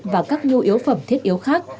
và các nhu yếu phẩm thiết yếu khác